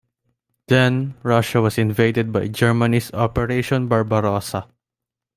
Then, Russia was invaded by Germany's Operation Barbarossa.